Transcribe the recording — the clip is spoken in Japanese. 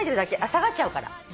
下がっちゃうから。